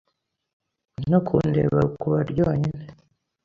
ko ndeba Rukuba ryonyine